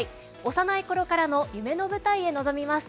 幼いころからの夢の舞台へ臨みます。